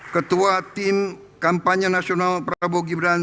ketua tim kampanye nasional prabowo gibran